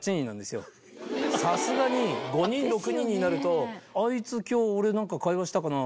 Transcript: さすがに５人６人になるとあいつ今日俺何か会話したかな？